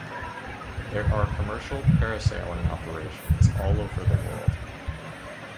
There are commercial parasailing operations all over the world.